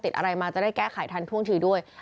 อิทยาศาสตร์ด้วย